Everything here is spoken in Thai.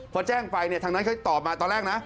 พอแจ้งไปเนี่ยทางนั้นเขาตอบมาตอนแรกนะ